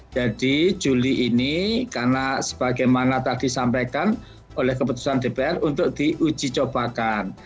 jadi juli ini karena sebagaimana tadi disampaikan oleh keputusan dpr untuk diuji cobakan